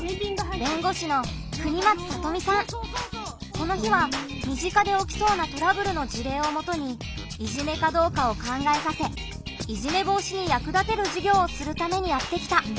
この日は身近でおきそうなトラブルの事例をもとにいじめかどうかを考えさせいじめ防止にやく立てる授業をするためにやって来た。